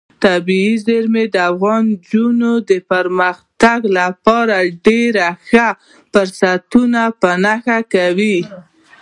طبیعي زیرمې د افغان نجونو د پرمختګ لپاره ډېر ښه فرصتونه په نښه کوي.